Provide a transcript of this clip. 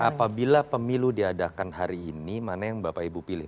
apabila pemilu diadakan hari ini mana yang bapak ibu pilih